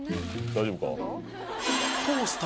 大丈夫か？